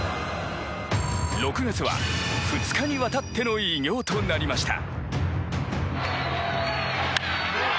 ６月は２日にわたっての偉業となりました。